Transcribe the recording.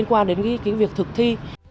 thì chúng ta cần phải tìm kiếm những việc thực thi